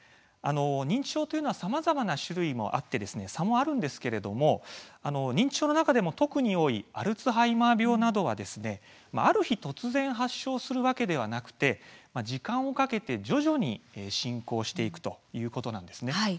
認知症はさまざまな種類があって差もあるんですが、認知症の中で特に多いアルツハイマー病などはある日、突然発症するわけではなく時間をかけて徐々に進行していくということなんです。